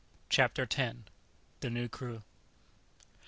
"] CHAPTER X. THE NEW CREW.